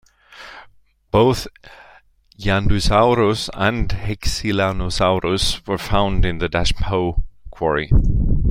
Both "Yandusaurus" and "Hexinlusaurus" were also found in the Dashanpu Quarry.